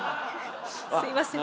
すみません。